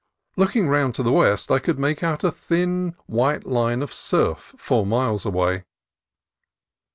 Looking round to the west I could make out a thin white line of surf, four miles away.